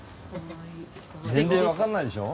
年齢わかんないでしょ？